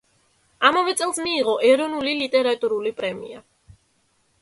ამავე წელს მიიღო ეროვნული ლიტერატურული პრემია.